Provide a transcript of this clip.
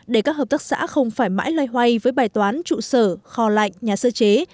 để các hợp tác xã không phải mãi loay hoay với bài toán trụ sở kho lạnh nhà sơ chế